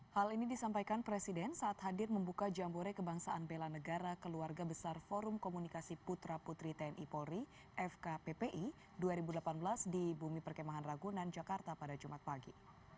hal ini disampaikan presiden saat hadir membuka jambore kebangsaan bela negara keluarga besar forum komunikasi putra putri tni polri fkppi dua ribu delapan belas di bumi perkemahan ragunan jakarta pada jumat pagi